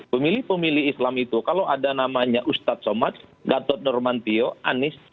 pemilih pemilih islam itu kalau ada namanya ustadz somad gatot nurmantio anies